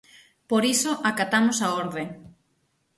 Por iso acatamos a orde.